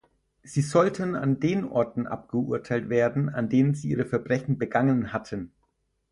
Sie sollten an den Orten abgeurteilt werden, an denen sie ihre Verbrechen begangen hatten.